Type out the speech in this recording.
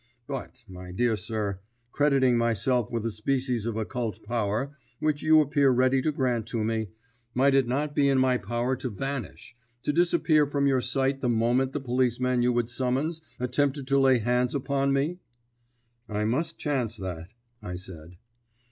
But, my dear sir, crediting myself with a species of occult power, which you appear ready to grant to me, might it not be in my power to vanish, to disappear from your sight the moment the policeman you would summons attempted to lay hands upon me?" "I must chance that," I said.